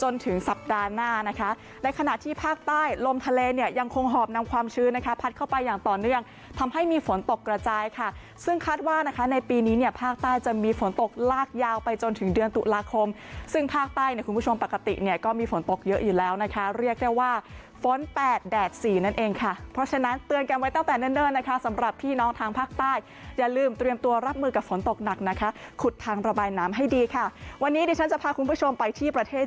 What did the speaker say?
ในขณะที่ภาคใต้ลมทะเลเนี่ยยังคงหอบนำความชื้นพัดเข้าไปอย่างต่อเนื่องทำให้มีฝนตกกระจายค่ะซึ่งคาดว่านะในปีนี้เนี่ยภาคใต้จะมีฝนตกรากยาวไปจนถึงเดือนตุลาคมซึ่งภาคใต้คุณผู้ชมปกติเนี่ยก็มีฝนตกเยอะอยู่แล้วเรียกได้ว่าฝน๘แดด๔นั่นเองค่ะเพราะฉะนั้นเตือนกันไว้ตั้